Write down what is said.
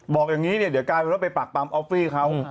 บอกอย่างนี้เนี่ยเดี๋ยวกลายเป็นว่าไปปากปั๊มออฟฟี่เขา